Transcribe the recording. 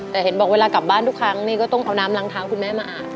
แต่เห็นบอกเวลากลับบ้านทุกครั้งนี่ก็ต้องเอาน้ำล้างเท้าคุณแม่มาอาบ